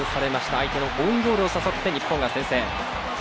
相手のオウンゴールを誘って日本が先制。